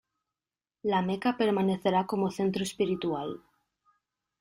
La Meca permanecerá como centro espiritual.